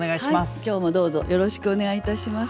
今日もどうぞよろしくお願いいたします。